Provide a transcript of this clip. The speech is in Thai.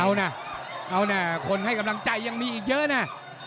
เอานะเอานะคนให้กำลังใจยังมีอีกเยอะนะ